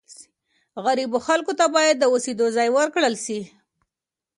غریبو خلکو ته باید د اوسېدو ځای ورکړل سي.